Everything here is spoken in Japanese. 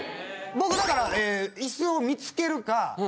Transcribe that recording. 僕だからイスを見つけるか。